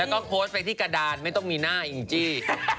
แล้วก็โพสต์ไปที่กระดานไม่ต้องมีหน้าอิงจี้